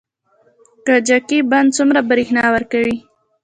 کجکي بند څومره بریښنا ورکوي؟